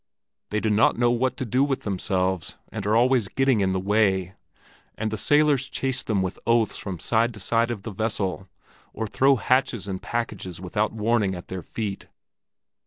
They do not know what to do with themselves, and are always getting in the way; and the sailors chase them with oaths from side to side of the vessel, or throw hatches and packages without warning at their feet.